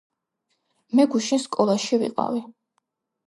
მე გუშინ სკოლაში ვიყავი.